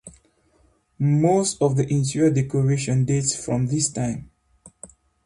Most of the interior decoration dates from this time.